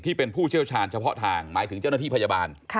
ผู้เป็นผู้เชี่ยวชาญเฉพาะทางหมายถึงเจ้าหน้าที่พยาบาล